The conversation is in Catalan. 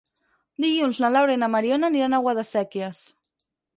Dilluns na Laura i na Mariona aniran a Guadasséquies.